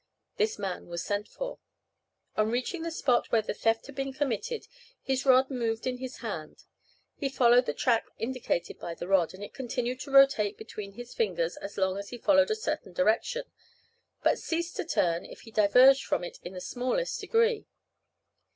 This man was sent for. On reaching the spot where the theft had been committed, his rod moved in his hand. He followed the track indicated by the rod, and it continued to rotate between his fingers as long as he followed a certain direction, but ceased to turn if he diverged from it in the smallest degree.